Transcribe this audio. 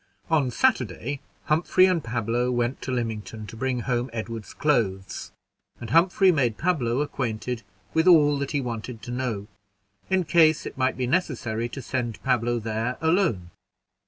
On Saturday, Humphrey and Pablo went to Lymington, to bring home Edward's clothes, and Humphrey made Pablo acquainted with all that he wanted to know, in case it might be necessary to send Pablo there alone.